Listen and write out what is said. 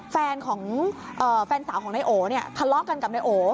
แฟนสาวของนายโอเนี่ยคล้อกกันกับนายโอ